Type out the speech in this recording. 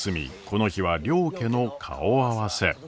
この日は両家の顔合わせ。